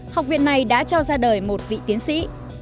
học viện này đã cho ra đời một vị tiến sĩ